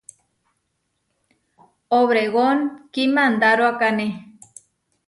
Obregón kimandaróakane.